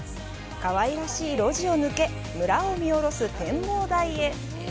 かわいらしい路地を抜け、村を見下ろす展望台へ。